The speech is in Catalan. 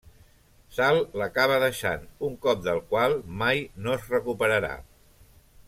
Sal l'acaba deixant, un cop del qual mai no es recuperarà.